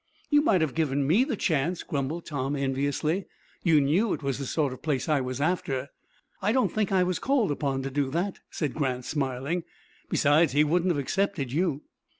"You might have given me the chance," grumbled Tom, enviously. "You knew it was the sort of place I was after." "I don't think I was called upon to do that," said Grant, smiling. "Besides, he wouldn't have accepted you."